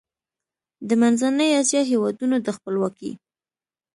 د منځنۍ اسیا هېوادونو د خپلواکۍ